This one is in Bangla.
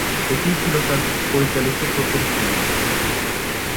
এটিই ছিল তার পরিচালিত প্রথম ছবি।